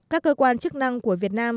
các cơ quan chức năng của việt nam